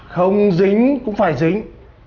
không dính cũng phải dính